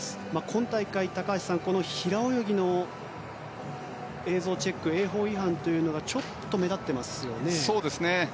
今大会、高橋さん平泳ぎの映像チェック泳法違反というのがちょっと目立っていますよね。